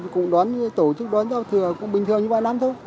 cũng đón tổ chức đón giáo thừa cũng bình thường như ba năm thôi